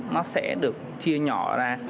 nó sẽ được chia nhỏ ra